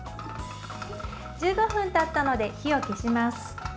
１５分たったので、火を消します。